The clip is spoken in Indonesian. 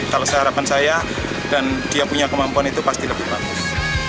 kalau seharapan saya dan dia punya kemampuan itu pasti lebih bagus